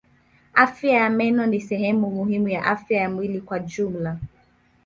Afya ya meno ni sehemu muhimu ya afya ya mwili kwa jumla.